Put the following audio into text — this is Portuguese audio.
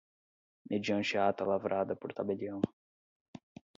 mediante ata lavrada por tabelião